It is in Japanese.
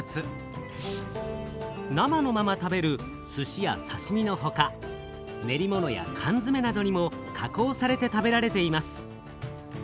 生のまま食べるすしやさしみのほか練り物やかんづめなどにも加工されて食べられています。